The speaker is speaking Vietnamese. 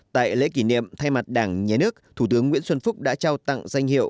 tại lễ kỷ niệm thay mặt đảng nhà nước thủ tướng nguyễn xuân phúc đã trao tặng danh hiệu